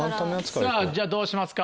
さぁじゃあどうしますか？